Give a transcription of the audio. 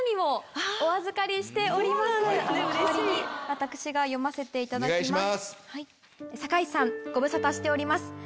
私が読ませていただきます。